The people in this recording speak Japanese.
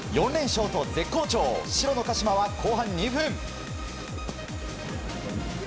４連勝と絶好調、白の鹿島は後半２分。